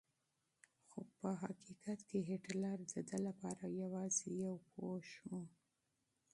خو په حقیقت کې هېټلر د ده لپاره یوازې یو پوښ و.